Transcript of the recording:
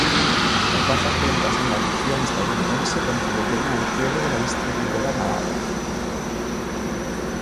Las bajas ventas de la edición estadounidense contribuyeron al quiebre de la distribuidora Navarra.